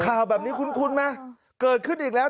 ข่าวแบบนี้คุ้นไหมเกิดขึ้นอีกแล้ว